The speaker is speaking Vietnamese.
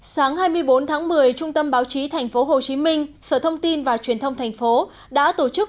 sáng hai mươi bốn tháng một mươi trung tâm báo chí thành phố hồ chí minh sở thông tin và truyền thông thành phố đã tổ chức